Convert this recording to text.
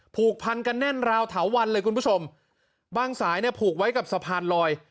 ผูกพันกันแน่นราวเถาวันเลยคุณผู้ชมบางสายเนี่ยผูกไว้กับสะพานลอย